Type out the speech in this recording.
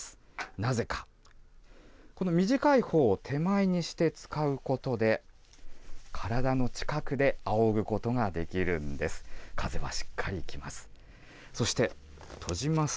なぜか、この短いほうを手前にして使うことで、体の近くで仰ぐことができるんです。